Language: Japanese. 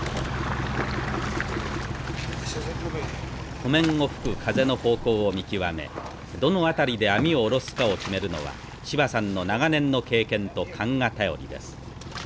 湖面を吹く風の方向を見極めどの辺りで網を下ろすかを決めるのは芝さんの長年の経験と勘が頼りです。